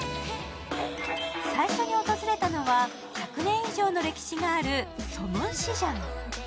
最初に訪れたのは、１００年以上の歴史があるソムンシジャン。